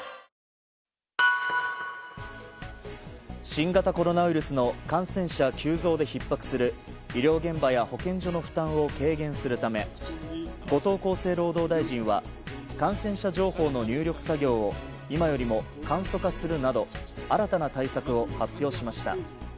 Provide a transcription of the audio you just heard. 新型コロナウイルスの感染者急増でひっ迫する医療現場や保健所の負担を軽減するため後藤厚生労働大臣は感染者情報の入力作業を今よりも簡素化するなど新たな対策を発表しました。